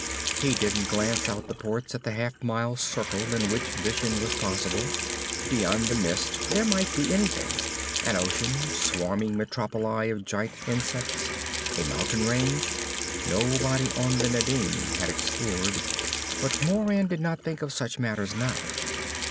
He didn't glance out the ports at the half mile circle in which vision was possible. Beyond the mist there might be anything; an ocean, swarming metropoli of giant insects, a mountain range. Nobody on the Nadine had explored. But Moran did not think of such matters now.